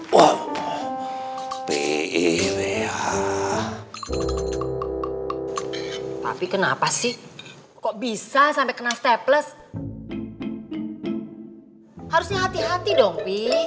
woi iya tapi kenapa sih kok bisa sampai kena steples harusnya hati hati dong pi